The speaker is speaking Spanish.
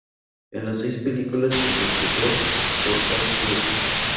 En las seis películas es interpretado por Tom Cruise.